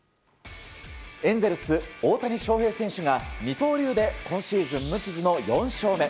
エンゼルス、大谷翔平選手が二刀流で今シーズン無傷の４勝目。